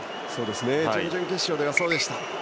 準々決勝ではそうでした。